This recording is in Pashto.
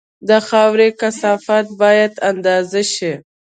د خاورې کثافت باید اندازه شي